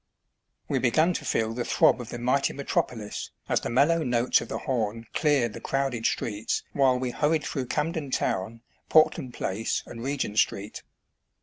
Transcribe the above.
We began to feel the throb of the mighty metropolis as the mellow notes of the horn cleared the crowded streets while we hurried through Camden town, Portland Place, and Regent Street.